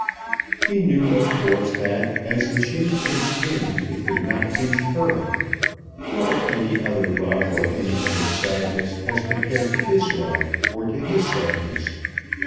He knew, of course, that as the shoe pinched him it could not pinch her. What were any other love or any other sadness as compared to his love or to his sadness?